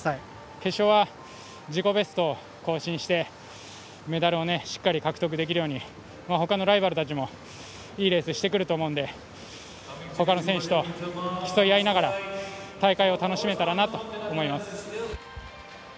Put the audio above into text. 決勝は自己ベスト更新してメダルをしっかり獲得できるようにほかのライバルたちもいいレースしてくると思うのでほかの選手と競い合いながら大会を楽しめたらなと思います。